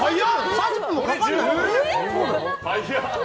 ３０分もかかんない。